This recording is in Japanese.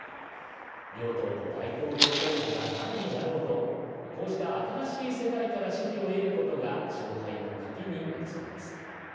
両党の大統領候補が誰になろうとこうした新しい世代から支持を得ることが勝敗の鍵になりそうです。